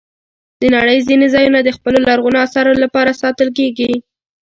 د نړۍ ځینې ځایونه د خپلو لرغونو آثارو لپاره ساتل کېږي.